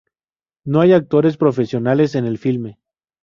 No hay actores profesionales en el filme.